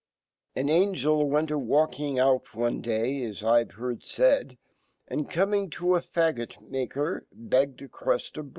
An Angel went awalklng out one day, as IVe heard fald , And, comlng to a faggot maker, begged acrutf of